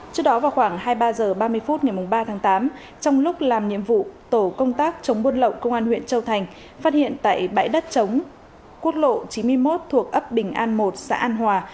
trước đó vào khoảng hai mươi ba h ba mươi phút ngày ba tháng tám trong lúc làm nhiệm vụ tổ công tác chống buôn lậu công an huyện châu thành phát hiện tại bãi đất chống quốc lộ chín mươi một thuộc ấp bình an một xã an hòa